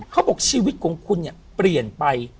เขาบอกชีวิตของคุณเนี่ยเปลี่ยนไป